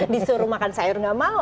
disuruh makan sayur gak mau